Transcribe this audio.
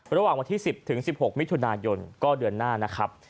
ระหว่างวันที่๑๐๑๖มิถุนายนก็เดือนหน้านะครับ